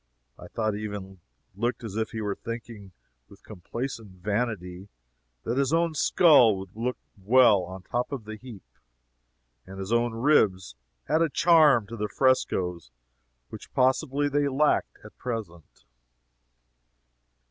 I thought he even looked as if he were thinking, with complacent vanity, that his own skull would look well on top of the heap and his own ribs add a charm to the frescoes which possibly they lacked at present.